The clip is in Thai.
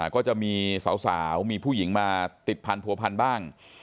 ก็จะมีสาวมีผู้หญิงมาติดพันธัวพันธุ์บ้าง